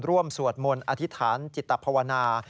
สวดมนต์อธิษฐานจิตภาวนา